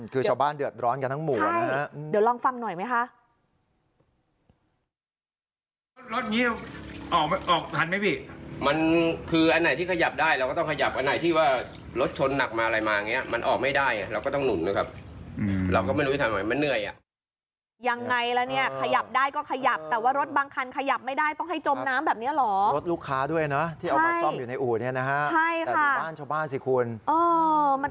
คือชาวบ้านเดือดร้อนกับทั้งหมู่นะครับอืม